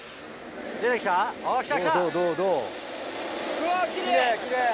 うわ、きれい。